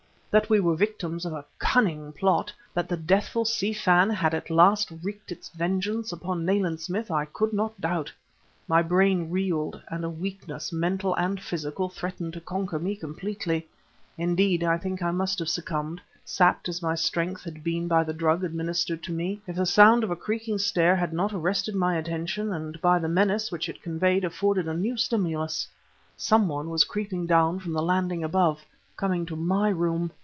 That we were victims of a cunning plot, that the deathful Si Fan had at last wreaked its vengeance upon Nayland Smith I could not doubt. My brain reeled, and a weakness, mental and physical, threatened to conquer me completely. Indeed, I think I must have succumbed, sapped as my strength had been by the drug administered to me, if the sound of a creaking stair had not arrested my attention and by the menace which it conveyed afforded a new stimulus. Some one was creeping down from the landing above coming to my room!